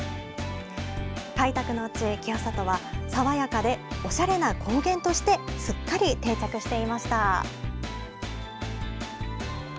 開拓の地、清里は、爽やかでおしゃれな高原としてすっかり定着していました。